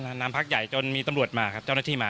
น้ำพักใหญ่จนมีตำรวจมาครับเจ้าหน้าที่มา